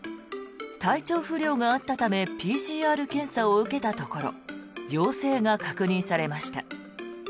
体調不良があったためＰＣＲ検査を受けたところ陽性が確認されました。